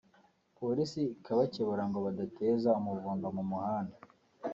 Polisi ikabakebura ngo badateza umuvundo mu muhanda